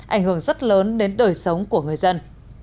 ảnh hưởng rất lớn đến đời sống của người dân